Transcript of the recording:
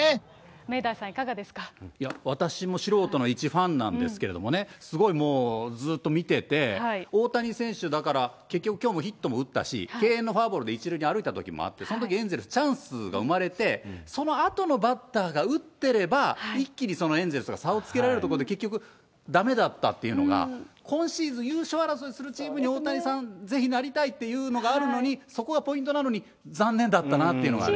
明大さん、私も素人の一ファンなんですけれどもね、すごいもう、ずっと見てて、大谷選手だから、結局、きょうもヒットも打ったし、敬遠のフォアボールで１塁に歩いたときもあって、そのとき、エンゼルス、チャンスが生まれて、そのあとのバッターが打っていれば一気にそのエンゼルスが差をつけられるところで、結局、だめだったというのが、今シーズン優勝争いするチームに大谷さん、ぜひなりたいっていうのがあるのに、そこがポイントなのに、残念だったなというのがね。